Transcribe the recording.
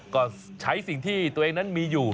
ก็ใช้สิ่งที่ตัวเองนั้นมีอยู่